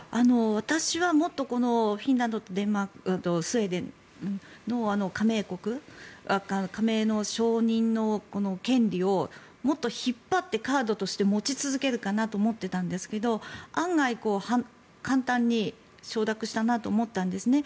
私はもっとフィンランドとスウェーデンの加盟の承認の権利をもっと引っ張ってカードとして持ち続けるかなと思っていたんですけど案外、簡単に承諾したなと思ったんですね。